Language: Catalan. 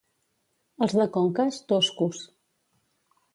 Els de Conques, toscos.